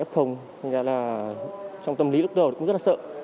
đối tượng mà f thành ra là trong tâm lý lúc đầu cũng rất là sợ